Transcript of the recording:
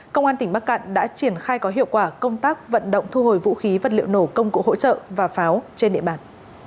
công an tỉnh bắc cạn đã triển khai có hiệu quả công tác vận động thu hồi vũ khí vật liệu nổ công cụ hỗ trợ và pháo trên địa bàn